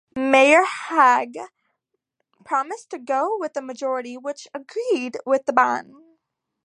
Mayor Hague promised to go with the majority, which agreed with the ban.